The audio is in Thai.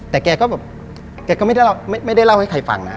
แต่แกก็แบบแกก็ไม่ได้เล่าให้ใครฟังนะ